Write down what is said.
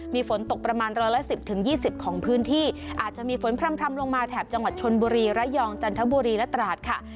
มีฝนตกประมาณร้อยละ๑๐๒๐ของพื้นที่อาจจะมีฝนพร่ำลงมาแถบจังหวัดชนบุรีระยองจันทบุรีและตราดค่ะ